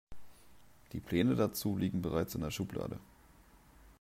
Die Pläne dazu liegen bereits in der Schublade.